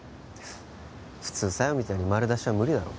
普通小夜みたいに丸出しは無理だろ